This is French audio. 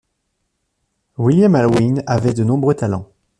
William Alwyn avait de nombreux talents.